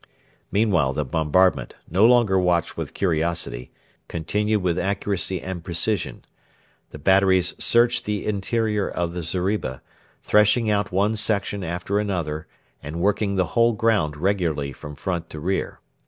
Meanwhile the bombardment no longer watched with curiosity continued with accuracy and precision. The batteries searched the interior of the zeriba, threshing out one section after another, and working the whole ground regularly from front to rear.